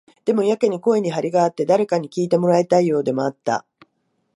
でも、やけに声に張りがあって、誰かに聞いてもらいたいようでもあった。